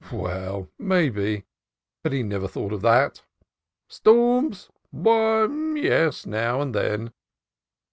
Well, maybe ; but he never thought of that. Storms? Why, yes, now and then.